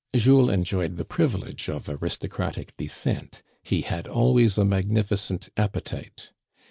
Jules enjoyed the privilege of aristocratic descent — he had always a magnificent appetite.